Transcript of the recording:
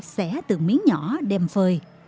sẻ từ miếng nhỏ đem phơi